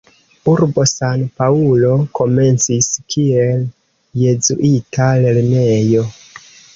Urbo San-Paŭlo komencis kiel jezuita lernejo.